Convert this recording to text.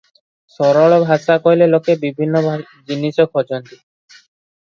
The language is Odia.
ସରଳ ଭାଷା କହିଲେ ଲୋକେ ବିଭିନ୍ନ ଜିନିଷ ଖୋଜନ୍ତି ।